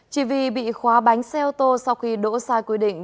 chỉ vì bị khóa bánh xe ô tô sau khi đỗ sai quy định